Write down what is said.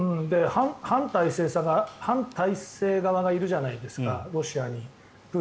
反体制側がいるじゃないですかロシアに。